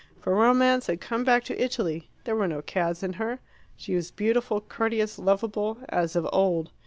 For romance had come back to Italy; there were no cads in her; she was beautiful, courteous, lovable, as of old.